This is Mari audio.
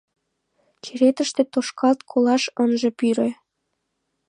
Черетыште тошкалт колаш ынже пӱрӧ.